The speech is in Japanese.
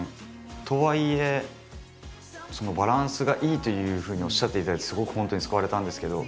とはいえバランスがいいというふうにおっしゃっていただいてすごく本当に救われたんですけど。